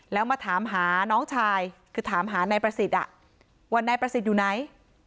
แล้วมาถามหาน้องชายคือถามหานายประสิทธิ์ว่านายประสิทธิ์อยู่ไหน